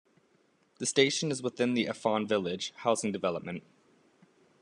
The station is within the "Afon Village" housing development.